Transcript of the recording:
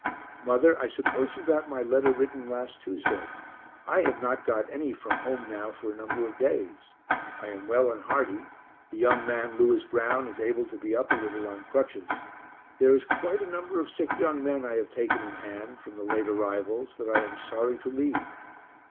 Mother, I suppose you got my letter written last Tuesday I have not got any from home now for a number of days. I am well and hearty. The young man Lewis Brown is able to be up a little on crutches. There is quite a number of sick young men I have taken in hand, from the late arrivals, that I am sorry to leave.